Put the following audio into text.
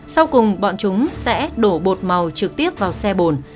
sau cùng bọn chúng sẽ đổ bột màu trực tiếp vào xe bồn